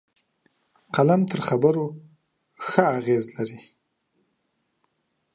قلم له خبرو ښه تاثیر لري